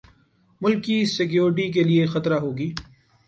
ملک کی سیکیورٹی کے لیے خطرہ ہوگی